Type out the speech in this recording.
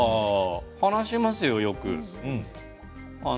話しますよ、よく。